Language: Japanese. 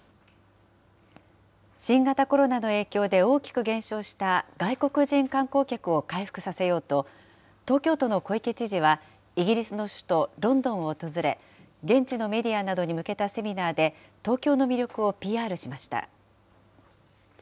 新型コロナの影響で大きく減少した外国人観光客を回復させようと、東京都の小池知事は、イギリスの首都ロンドンを訪れ、現地のメディアなどに向けたセミナーで、東京の魅力をＰＲしました。